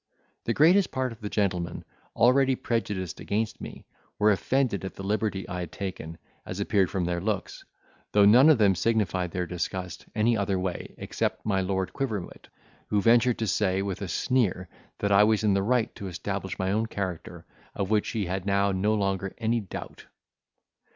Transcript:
The greatest part of the gentlemen, already prejudiced against me, were offended at the liberty I had taken, as appeared from their looks; though none of them signified their disgust any other way except my Lord Quiverwit, who ventured to say, with a sneer, that I was in the right to establish my own character, of which he had now no longer any doubt.